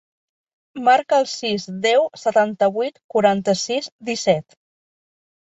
Marca el sis, deu, setanta-vuit, quaranta-sis, disset.